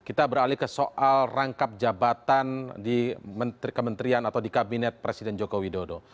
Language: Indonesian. kita beralih ke soal rangkap jabatan di kementerian atau di kabinet presiden joko widodo